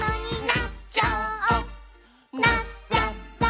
「なっちゃった！」